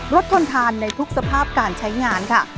ทนทานในทุกสภาพการใช้งานค่ะ